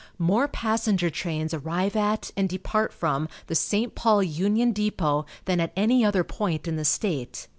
More passenger trains arrive at, and depart from, the St. Paul Union Depot than at any other point in the state.